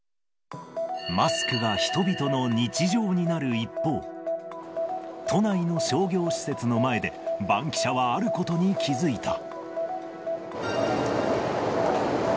マスクが人々の日常になる一方、都内の商業施設の前で、バンキシャはあることに気付いた。